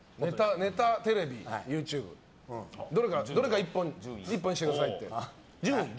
ネタ、テレビ、ＹｏｕＴｕｂｅどれか１本にしてくださいって。